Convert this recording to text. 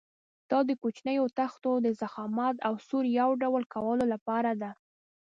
دا د کوچنیو تختو د ضخامت او سور یو ډول کولو لپاره ده.